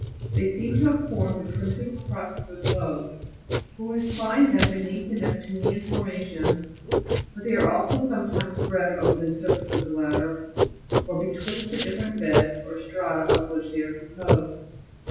They seem to have 'formed the primitive crust of the globe; for we find them beneath the neptunian formations, but they are also sometimes spread over the surface of the latter, or betwixt the different beds or strata of which they are composed.